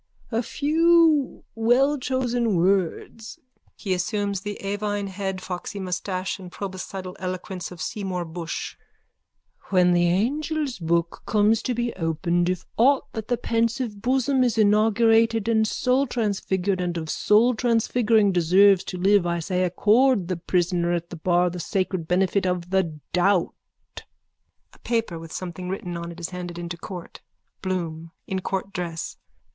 A few wellchosen words. (He assumes the avine head, foxy moustache and proboscidal eloquence of Seymour Bushe.) When the angel's book comes to be opened if aught that the pensive bosom has inaugurated of soultransfigured and of soultransfiguring deserves to live I say accord the prisoner at the bar the sacred benefit of the doubt. (A paper with something written on it is handed into court.) BLOOM: _(In court dress.)